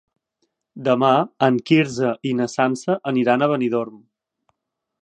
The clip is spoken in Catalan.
Demà en Quirze i na Sança aniran a Benidorm.